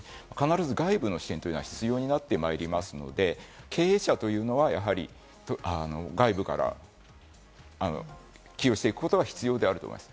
必ず外部の人が必要になってくるので、経営者というのは、やはり外部から起用していくことが必要であると思います。